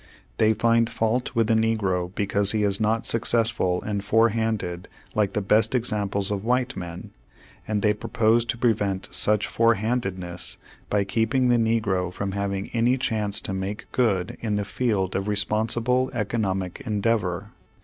They Page Two Hundred eight find fault with the negro because he is not suc cessful and forehanded like the best samples of white men, and then they propose to prevent such forehandedness by keeping the negro from hav ing any chance to make good in the field of respon sible economic endeavor.